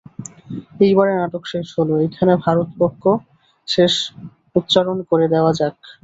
এইবারে নাটক শেষ হল– এইখানে ভরতবাক্য উচ্চারণ করে দেওয়া যাক।